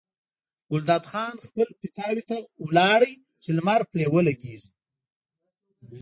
ګلداد خان خپل پیتاوي ته لاړ چې لمر پرې ولګي.